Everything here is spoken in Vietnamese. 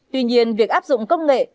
tuy nhiên việc áp dụng công nghệ